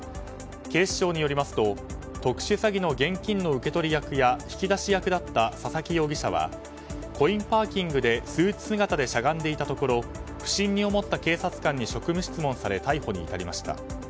警視庁によりますと特殊詐欺の現金の受け取り役や引き出し役だった佐々木容疑者はコインパーキングでスーツ姿でしゃがんでいたところ不審に思った警察官に職務質問され逮捕に至りました。